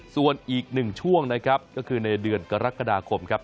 ส่วนอีกหนึ่งช่วงนะครับก็คือในเดือนกรกฎาคมครับ